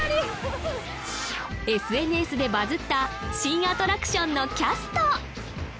ＳＮＳでバズった新アトラクションのキャスト！